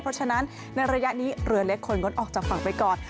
เพราะฉะนั้นในระยะนี้เรือเล็กควรงดออกจากฝั่งไปก่อน